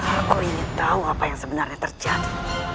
aku ingin tahu apa yang sebenarnya terjadi